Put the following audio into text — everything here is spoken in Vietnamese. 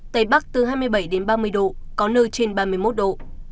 tây bắc từ hai mươi bảy đến ba mươi độ có nơi trên ba mươi một độ